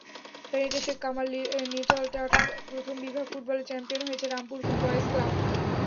ফেনীতে শেখ কামাল নিটল-টাটা প্রথম বিভাগ ফুটবলে চ্যাম্পিয়ন হয়েছে রামপুর বয়েজ ক্লাব।